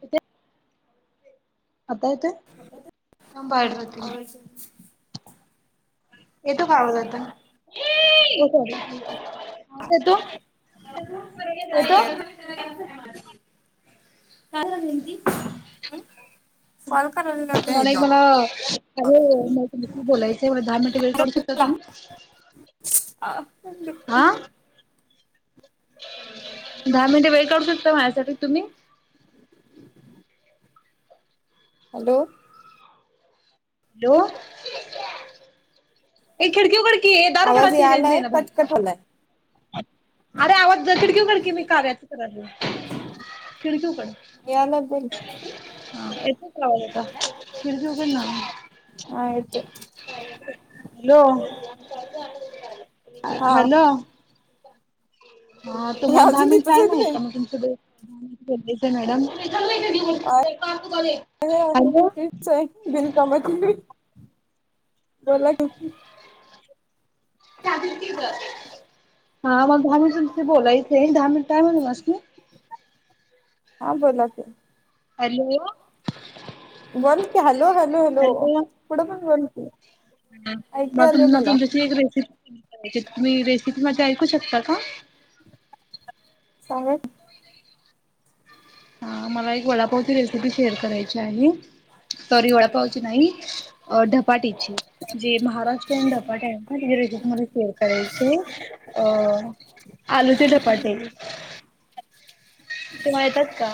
त आता येतंय ांबा अडवती आवाज येतो खाव जात ो आत कॉल करायला नव्हते ह्याच्यावर. मला अर बोलायचंय मला दहा मिनिट वेळ करू शकता तुम्ही हा दहा मिनटे वेळ करू शकता माझ्यासाठी तुम्ही हॅलो हॅलो एक खिडकी खडकी आवाज हे आलाय कटकट होलाय अरे आवाज खिडकीकड कि मी काव्याच कला खिडकीकड यालाय बोल ह येत कावा का फिर हॅलो हा येतोय हा हॅलो हा हे तुम्हाला दहा अजून मिनिट इथंच टय आहेत नाही व्हय. का मग तुमच्याडे हम् मॅडम हॅलो बिनकामाची बोला क हा मग धाम बोलायचे धा काय म्होल बस म हा बोलाच हॅलो बोल की हलो हलो हलो पुुड पन बोल की ऐकू मात यालय म मला तुमच्याशी रेसिप तुम्ही रेसिपीमध्येध्ये ऐकू शकता का सांग हा मला एक वडापावची रेसिपी शेअर करायची आहे सॉरी वडापावची नाहीअ डप धपाटीची जे महाराष्ट्रीयन धपाटे आहेत ना रेसिप मध्ये शेअर करायचे अ आलूचे धपाटे. तुम्हा येतात का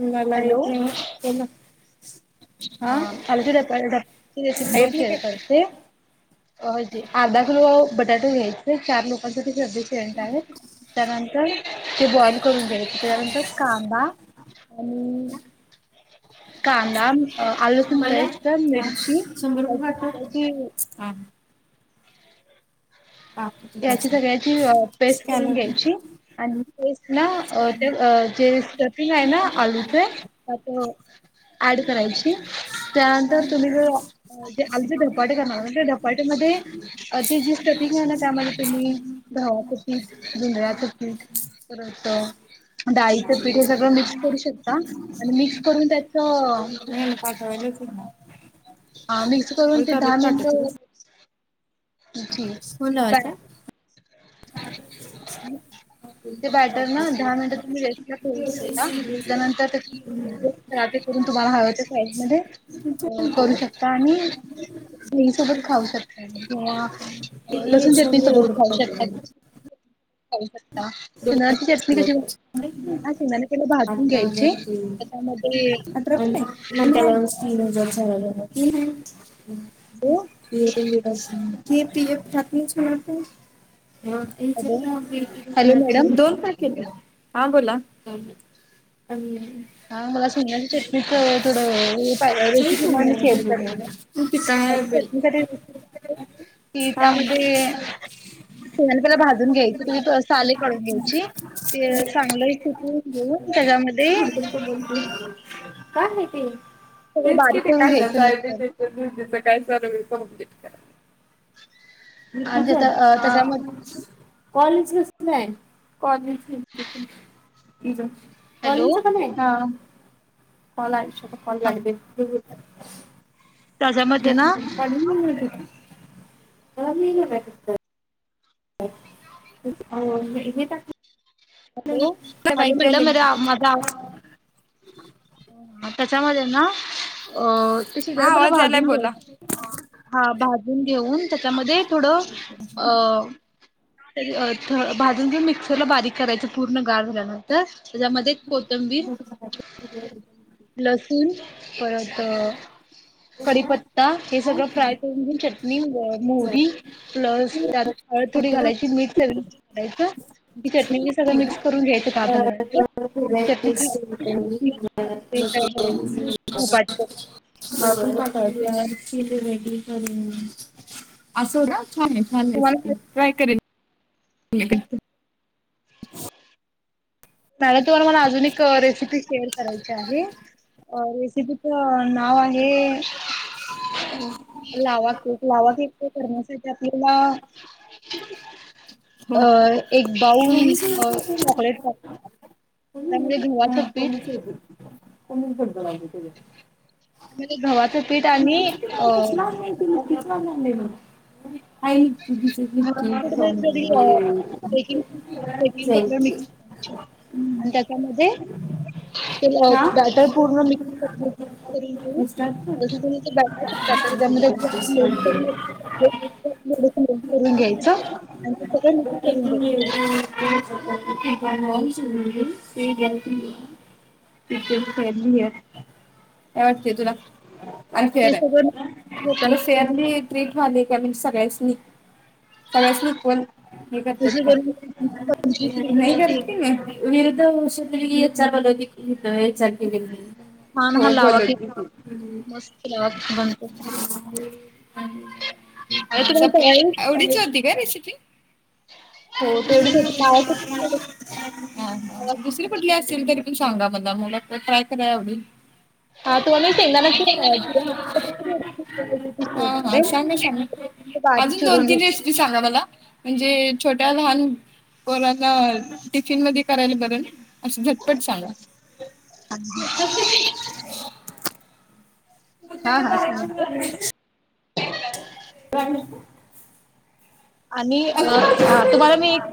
मला येत नाही [inaudible] [unintelligible] हा अ अलजरत अलडक ची रेसिपी येत तुम्हाला नाही शेअर काय? करते. अ होती आधा गुलु बटाटो घ्यायचे चार लोकांचे. [inaudible] ते बॉइल करून घ्याच त्याच्यानंतर कांदा आणि कांदा अ आल लसुन मला पेस्ट हा मिरची शंभर रुपये पाठव. त्याची हा पाठवते याची त्यासनी. सगळ्याची अ पेस्ट करून स्कॅनर दे घ्यायची आणि पेस्ट ना स्कॅनर ते जे स्टफिंग आहे ना आलूचे त्यात ऍड करायची त्यानंतर तुम्ही जर जे आलुचे धपाटे करणार आहे ते धपाट्यामध्ये ते जे स्टफिंग आहे ना त्यामध्ये तुम्हीगव्हाचं पीठ जोंधळ्याचे पीठ द परत डाळीचं पीठ हे सगळं मिक्स करू शकता आणि मिक्स करून त्या तो मन प हा मिक्स करून ते दहा मिनिट जी फोन बॅट लावायचा ते बॅटर न दहा मिनट तुम्ही रेस्टला ठेवू शकता त्यानंतर त्याचे पराठे करून तुम्हाला हवच्या साईज मध्ये करू शकता आणि घी सोबत खाऊ शकता तुम्ही वाह लसूण चटणी सोबत खाऊ शकतात. काही पन हा शेंगदाणे पहिले भाजून अठरा घ्यायचे हजारठ त्याच्यामध्ये तीन हजार झालेलं हम् हॅलो ती ऎकटी ऎक खाती ती मारपीट ह ज हॅलो म हॅलो ह मॅडम दोन हा बोला हा मला सोंगची चटणीच थोडहि रेसिपी म्ह मी शेअर करणार ते काय सोंगची बिल चटणी सा रेसिप आहे की हा त्यामध्ये सने पला भाजून घ्यायची त त साले काढून घ्यायची ते चांगलं चिकवून घेऊन त्याच्यामध्ये बोल काय माती सगळं तेच बारीक किती करून काशाच घ्यायचं आहे मिक्सरला ते्यझ काय चालू कंप्लीट करा आणि त्याच्या त्याच्यामध्ये मठच कॉलेज क नाही कॉलेज हॅलो बॉलंच पण आहे ना पलायच म कण हा लागे त्याच्यामध्ये ना [inaudible] [inaudible] [inaudible] नेहमीच हॅलो हॅलो मॅडम अरे म्हणा माझा आवाज हो तेच्यामध्ये ना अ ते हा [inaudible] पहिला आवाज यालाय भाजून बोला. घ्यायच हा भाजून घेऊन त्याच्यामध्ये थोडं अ ते अ थ भाजून त मिक्सरला बारीक करायचं पूर्ण गार झाल्यानंतर त्याच्यामध्ये कोथंबीर लसुून परत कढीपत्ता हे सगळं फ्राय करून घेऊन चटणी मोहरी प्लस त्यात हळद थोडी घालायची मीठ चवीनुसार घायचं म्ह चटणी सगळं मिक्स करून घ्यायचं [inaudible] [inaudible] [inaudible] [inaudible] [inaudible] [inaudible] [inaudible] [inaudible] असो ना छान आहे छान तुम्हाला रेसिपी ट्राय करेन [inaudible] घेतली मॅडम तुम्हाला मला अजून एक रेसिपी शेअर करायची आहे अ रेसिपी च ना नाव आहे लावा केक लावा केक ते करण्यासाठी आपल्याला अ एक बाऊल चॉकलेट पाह [inaudible] [inaudible] त्यामध्ये गव्हाचं पीठ आणि लिपस्टिकची काय अ कसं लावून नाही ती लिपस्टिक लावून आणली मी. [inaudible] ती अ बेकिंग सोडा आणि बेकिंग पावडर मिक्स करायची आहे आणि त्याच्यामध्ये ते ना बॅटर पूर्ण मिक्स मिक्स आउट करून घेऊन रिस्टार्ट कर त्याच्यातून ते बॅटर पण टाकायचं त्यामध्ये जे आपण लोणचं करून थोडंसं लोण करून घ्यायचं आणि ते सगळं मिक्स करून घ्यायचं [inaudible] [inaudible] [unintelligible] काय वाटतेय तुला [unintelligible] ते ते सगळं शेअर्ली ट्रीट झाले का मी सगळ्यास्नी सगळ्या सुट पण हे करतात तशी का करून पंचवीस नाही मिनिटांनी ते करते ना विरुद्ध तरी हे चालवलेली [inaudible] [unintelligible] आवढीच छान हा लावा केक खूप मस्त लावा केक बनतो आणि तुम्ही तव्यावर होती काय रेसिपी [unintelligible] हो ह तेवढीच होती गावाकडची ह दुसर कुटली गावाकडची असेल तरी सांगा मला मुलं तर ट्राय कराया आवडेल. हा तुम्हाला शेंगदाण्याची हा हा सांगा सांग बारीक अजून दोन चिरून घेऊ तीन रेसिपी सांगा मला म्हणजे छोट्या लहान कोणाच टिफिन मध्ये करायला बरं नाय म अशी झटपट सांगा. [inaudible] हा हा सांगते [unintelligible] राण आणि हा तुम्हाला मी एक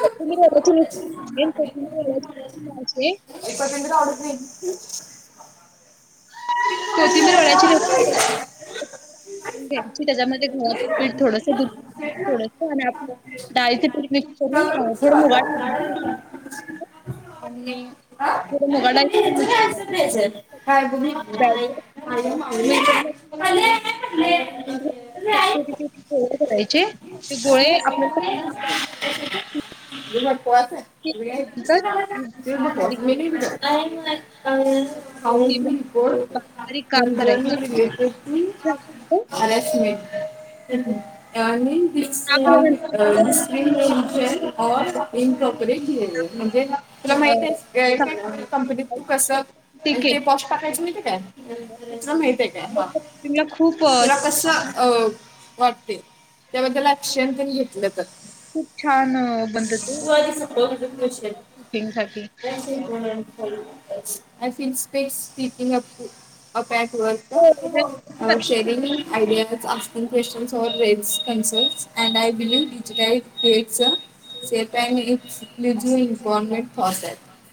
कोथिंबीरवडची रेसिपी सांगेन [unintelligible] [inaudible] कोथिंबीर वड्याची रेसिपी [inaudible] घ्यायची त्याच्यामध्ये गव्हाचे पीठ थोडस दुध थोड. करून थोडं मुगाड आणि काय थोडं मुगाडाळीचं मिक्स करायचं बॅटर मिडियम [unintelligible] गोळे करायचे. ते गोळे आपल्याला न स्टीम करायचे [unintelligible] ह स्टीम केल्यानंतर [unintelligible] बारीक बारीक तु त स्टीम म बारीक बारीक [unintelligible] काप करायचे अ अअ काप अरस्टमेंट एवनी. झाल्यानंतर काप झाल्यानंतर आपण जर शालो फ्राय करायचं असेल तर इनपॉपरेट म्हणजे तुला माहित शालो आहे काय फ्राय करू शकतो ते आपल्याला अ फ्राय कंपनीत फ्राय तू करू कस शकतो ते केक पॉस्ट टाकायच माहिेत हाय काय तुला माहित आहे का कोथिंबीर खूप तुला कसं. अ वाटते. त्याबदल आकशन तेन घेतलं त. खूप छान बनतं ते तू आधी सपव तो विषय कुकिंग साठी त्याशिवाय मिळणार हो नाही. फ इ स्पेस सि अ [unintelligible] अस प क्वेशचन्सवररे [unintelligible] व्हव्हमे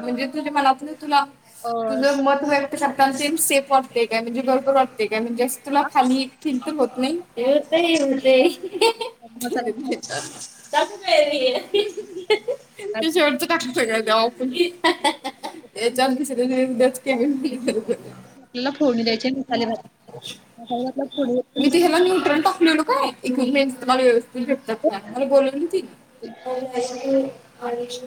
म्हणजे तुला म्हणजे त म [unintelligible] तुला अ, तुझं मत व्य ात सेम सेफ वाटते काय म्हणजे घरोबर वाटते म्हणजेस् तुला खाली खिंत होत नाही. मसाला तु शेवटच टाक सगळं. म्याव चांग स त [unintelligible] त्याय [unintelligible] आपल्याला फोडणी द्यायचे मसाले भात मसाल्याला फोडणी. Equipments knowledge. ती भेटतात फार मला बोलल्याली ती. आणिश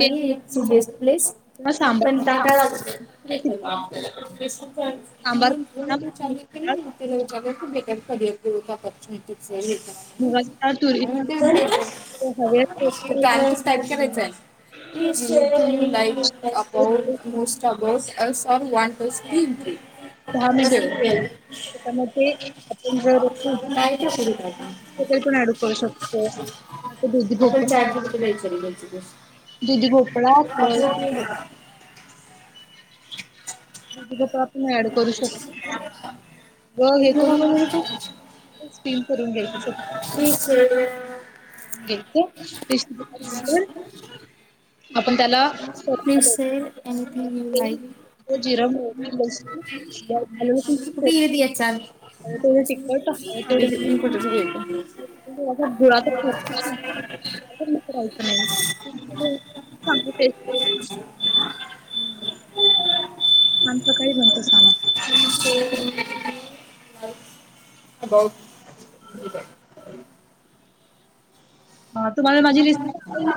ते नाहीस् किंवा प्लेस सांबार पण का काय रेसिपी [unintelligible] सांबार सेकंड करताना करिअर ग्रोथ पॉर्च्यनिटी मुगाची डाळ तुरीची ते हळद पॅरंटस टाईप करायच आहे लाईक अबाउट मोस्ट अबाउट अ स वा काय दहा मिनिट त्याच्यामध्ये का काही पण डू करू शकतो दुध भोप आपण चार दिवसाला विचारू याची गोष्ट दुदी गोपळा असलं आपण ऍड करू शकतो ह [inaudible] स्िम करून घ्याय त स घ म्ह आपण त्याला please sir anything you like जिरस तेवढ कुठे गेली याच्यात तट तेवढु रायचं नाहीग आम त काही बनतो सग ब हा तुम्हाला माझी रिस्ट आवली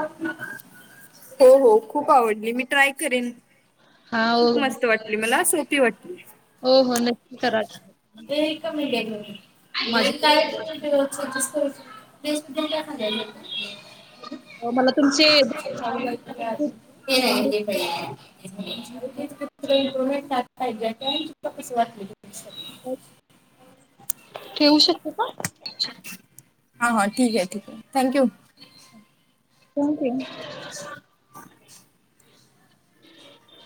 हो हो खूप आवडली मी ट्राय करेन हा खूप मस्त वाटली मला वाट हो हो नक्की करा माझी हम काय सस् मला ते तुमचे नाही आभारी आहे. हे मी [inaudible] तुम्हाला क वा हो ठेवऊ शकत का हा हा ठीक आहे ठीक आहे थँक्यू कोणती [inaudible] ह